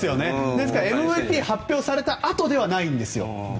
ですからＭＶＰが発表されたあとではないんです。